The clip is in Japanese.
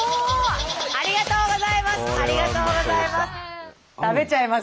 ありがとうございます！